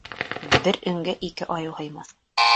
Бер өңгә ике айыу һыймаҫ.